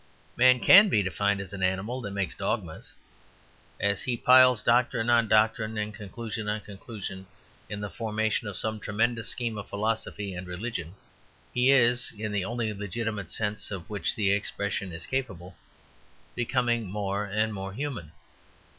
Man can be defined as an animal that makes dogmas. As he piles doctrine on doctrine and conclusion on conclusion in the formation of some tremendous scheme of philosophy and religion, he is, in the only legitimate sense of which the expression is capable, becoming more and more human.